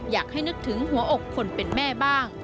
อยากให้นึกถึงหัวอกคนเป็นแม่บ้าง